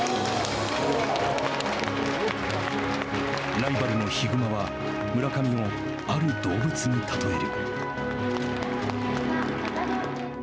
ライバルのヒグマは村上をある動物に例える。